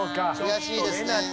悔しいですね。